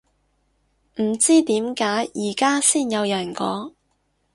唔知點解而家先有人講